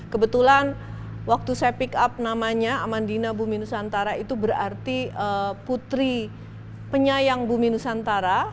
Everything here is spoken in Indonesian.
kebetulan waktu saya pick up namanya amandina bumi nusantara itu berarti putri penyayang bumi nusantara